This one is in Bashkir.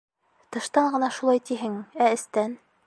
Тыштан ғына шулай тиһең, ә эстән...